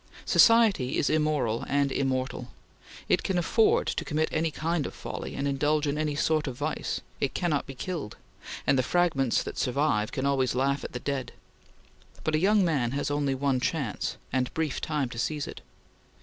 Society is immoral and immortal; it can afford to commit any kind of folly, and indulge in any sort of vice; it cannot be killed, and the fragments that survive can always laugh at the dead; but a young man has only one chance, and brief time to seize it.